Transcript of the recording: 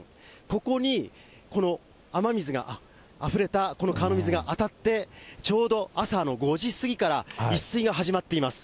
ここにこの雨水があふれたこの川の水が当たって、ちょうど朝の５時過ぎから越水が始まっています。